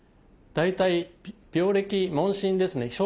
大体病歴問診ですね